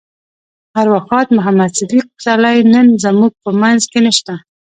ارواښاد محمد صديق پسرلی نن زموږ په منځ کې نشته.